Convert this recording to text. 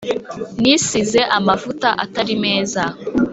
Nisize amavuta Atari meza